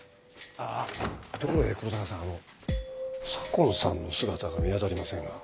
あぁところで黒鷹さんあの左紺さんの姿が見当たりませんが。